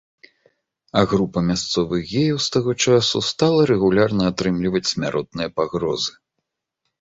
А група мясцовых геяў з таго часу стала рэгулярна атрымліваць смяротныя пагрозы.